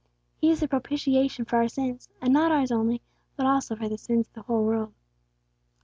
He is the propitiation for our sins; and not ours only, but also for the sins of the whole world."